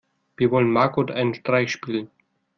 Wir wollen Margot einen Streich spielen.